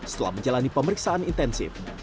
setelah menjalani pemeriksaan intensif